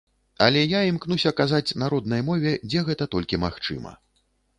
Але я імкнуся казаць на роднай мове, дзе гэта толькі магчыма.